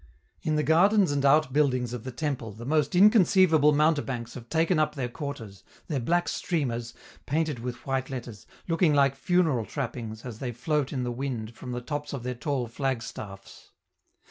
In the gardens and outbuildings of the temple the most inconceivable mountebanks have taken up their quarters, their black streamers, painted with white letters, looking like funeral trappings as they float in the wind from the tops of their tall flagstaffs.